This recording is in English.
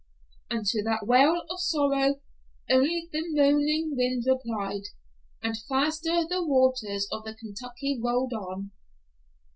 And to that wail of sorrow only the moaning wind replied, and faster the waters of the Kentucky rolled on.